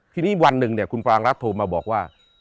ทีนี้วันหนึ่งเนี่ยคุณปรางรัฐโทรมาบอกว่า